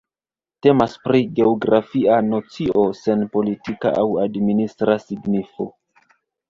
Temas pri geografia nocio sen politika aŭ administra signifo.